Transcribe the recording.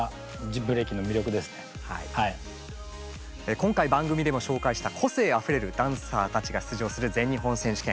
今回番組でも紹介した個性あふれるダンサーたちが出場する全日本選手権。